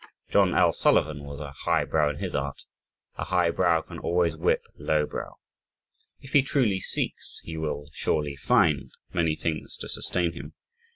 John L. Sullivan was a "high brow" in his art. A high brow can always whip a low brow. If he "truly seeks," he "will surely find" many things to sustain him.